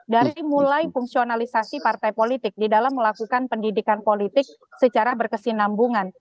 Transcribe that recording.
dari mulai fungsionalisasi partai politik di dalam melakukan pendidikan politik secara berkesinambungan